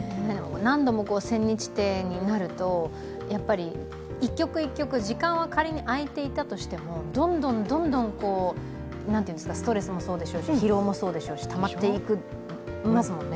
何度も千日手になると、やっぱり一局一局時間は仮に空いていたとしても、どんどんどんどんストレスもそうでしょうし、疲労もそうでしょうし、たまっていきますよね。